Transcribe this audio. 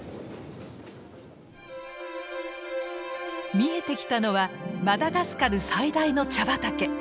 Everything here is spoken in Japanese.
見えてきたのはマダガスカル最大の茶畑。